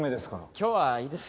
今日はいいです。